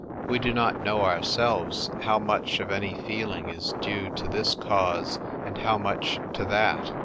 We do not knoW; ourselves, how much of any feeling is due to this cause, and how much to that.